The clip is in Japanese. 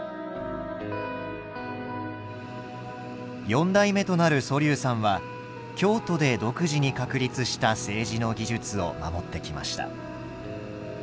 四代目となる蘇嶐さんは京都で独自に確立した青磁の技術を守ってきました。